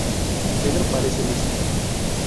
Pedro parece listo".